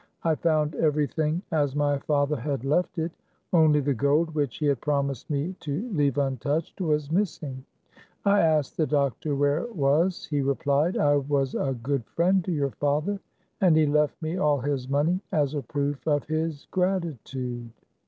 I found everything as my father had left it ; only the gold, which he had promised me to leave untouched, was missing. I asked the doc tor where it was. He replied, " I was a good friend to your father, and left me all his money as a proof of his gratitude."